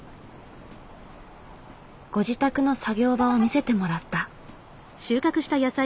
ご自宅の作業場を見せてもらった。